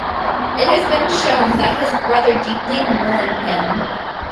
It has been shown that his brother deeply mourned him.